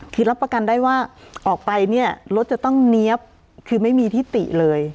คือรับประกันได้ว่าออกไปเนี่ยรถจะต้องเนี๊ยบคือไม่มีที่ติเลย